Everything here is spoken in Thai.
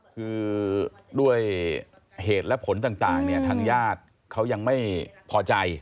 คือด้วยเหตุและผลต่างเนี่ยทางญาติเขายังไม่พอใจ